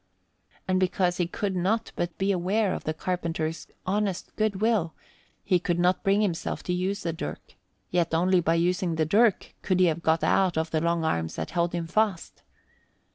And because he could not but be aware of the carpenter's honest good will, he could not bring himself to use the dirk, yet only by using the dirk could he have got out of the long arms that held him fast.